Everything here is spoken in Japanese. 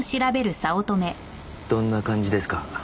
どんな感じですか？